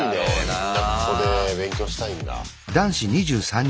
みんなここで勉強したいんだ。